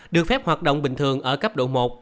được phép hoạt động bình thường ở cấp độ một